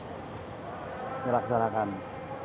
ini bicara mengenai leadership keteguhan seorang memimpin harus